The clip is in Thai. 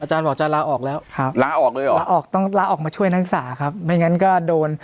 บอกจะลาออกแล้วครับลาออกเลยเหรอลาออกต้องลาออกมาช่วยนักศึกษาครับไม่งั้นก็โดน